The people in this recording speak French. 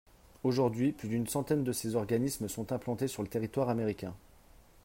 Aujourd’hui, plus d’une centaine de ces organismes sont implantés sur le territoire américain.